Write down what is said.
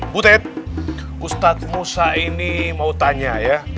butet ustadz musa ini mau tanya ya